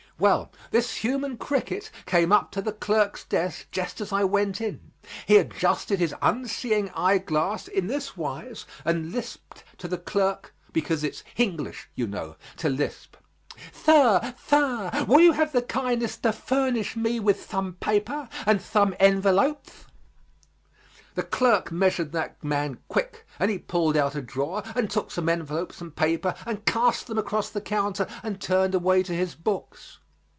Well, this human cricket came up to the clerk's desk just as I came in. He adjusted his unseeing eye glass in this wise and lisped to the clerk, because it's "Hinglish, you know," to lisp: "Thir, thir, will you have the kindness to fuhnish me with thome papah and thome envelopehs!" The clerk measured that man quick, and he pulled out a drawer and took some envelopes and paper and cast them across the counter and turned away to his books.